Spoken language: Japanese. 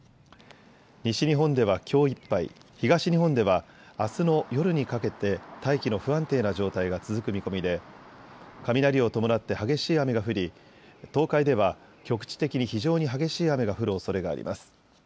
西日本ではきょういっぱい、東日本ではあすの夜にかけて大気の不安定な状態が続く見込みで雷を伴って激しい雨が降り東海では局地的に非常に激しい雨が降るおそれがあります。